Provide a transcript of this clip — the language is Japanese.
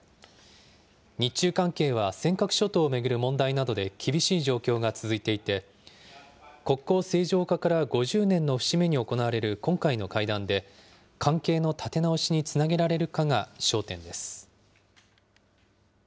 日中関係は尖閣諸島を巡る問題などで厳しい状況が続いていて、国交正常化から５０年の節目に行われる今回の会談で、関係の立て直しにつなげられるかが焦点です。